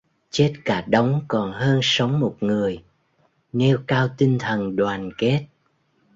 Chết cả đống còn hơn sống một người: nêu cao tinh thần đoàn kết